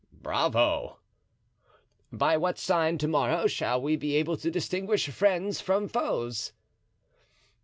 "Bravo!" "By what sign to morrow shall we be able to distinguish friends from foes?"